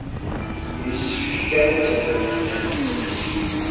Yessefk kan ad terremt ddehn-nkent.